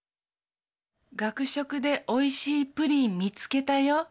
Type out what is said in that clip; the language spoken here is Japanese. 「学食でおいしいプリン見つけたよ」。